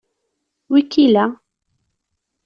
Wi k-illa?